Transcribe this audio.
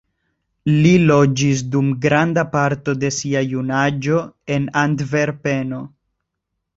Li loĝis dum granda parto de sia junaĝo en Antverpeno.